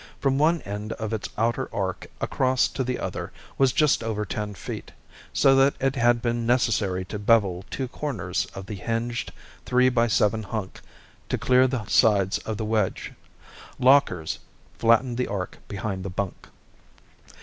From one end of its outer arc across to the other was just over ten feet, so that it had been necessary to bevel two corners of the hinged, three by seven bunk to clear the sides of the wedge. Lockers flattened the arc behind the bunk.